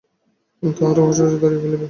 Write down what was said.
তাহারা উহা সহজেই ধরিয়া ফেলিবে।